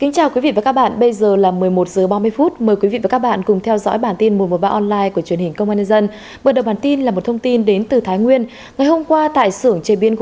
cảm ơn các bạn đã theo dõi